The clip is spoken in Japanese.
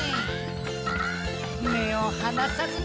めをはなさずに。